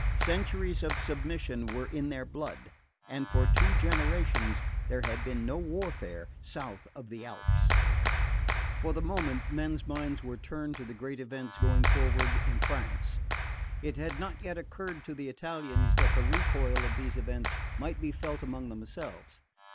Centuries of submission were in their blood, and for two generations there had been no warfare south of the Alps. For the moment men's minds were turned to the great events going forward in France. It had not yet occurred to the Italians that the recoil of these events might be felt among themselves.